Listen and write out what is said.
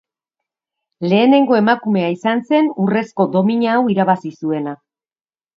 Lehenengo emakumea izan zen Urrezko Domina hau irabazi zuena.